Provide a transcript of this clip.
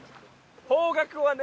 方角はね。